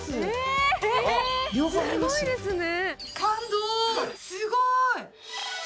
すごいですね。